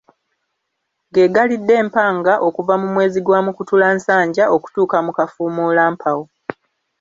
Ge galidde empanga okuva mu mwezi gwa Mukutulansanja okutuka mu Kafuumuulampawu.